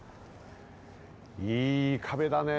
いい壁だね。